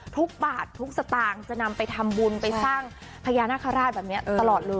ทุกบาททุกสตางค์จะนำไปทำบุญไปสร้างพญานาคาราชแบบนี้ตลอดเลย